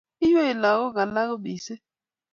iywei lagook alaku mising